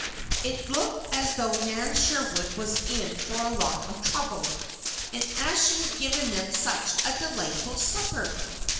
It looked as though Nan Sherwood was in for a lot of trouble. And she had given them such a delightful supper!